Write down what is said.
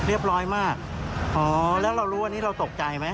เรียบร้อยมากอ๋อแล้วเรารู้วันนี้เราตกใจไหม